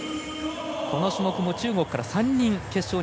この種目も中国から３人。